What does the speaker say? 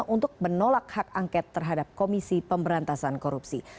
untuk menolak hak angket terhadap komisi pemberantasan korupsi